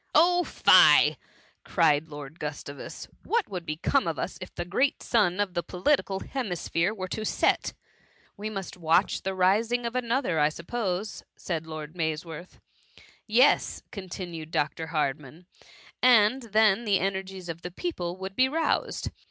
" Oh, fie !^ cried Lord Gustavus ;" what THE MUMMY. 181 would become of us, if the great sun of the political hemisphere were to set r " We must watch the rising of another, I suppose,'' said Lord Maysworth.*" <* Yes,'' continued Dr. Hardman :" and then the energies of the people would be roused.